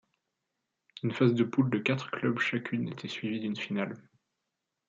Une phase de poules de quatre clubs chacune était suivie d'une finale.